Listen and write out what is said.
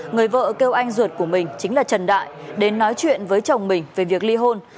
người vợ kêu anh ruột của mình chính là trần đại đến nói chuyện với chồng mình về việc ly hôn